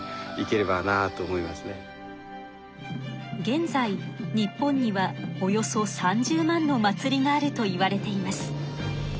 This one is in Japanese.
現在日本にはおよそ３０万の祭りがあるといわれています。